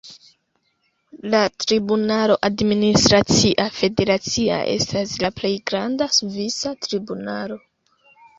La tribunalo administracia federacia estas la plej granda svisa tribunalo.